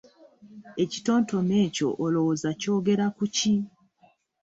Ekitontome ekyo olowooza kyogera ku ki?